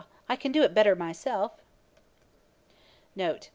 I can do it better myself.'